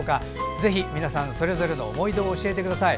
ぜひ皆さん、それぞれの思い出を教えてください。